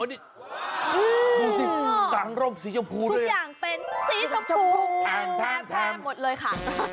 ดูสิกางร่มสีชมพูทุกอย่างเป็นสีชมพูแพงแพร่หมดเลยค่ะ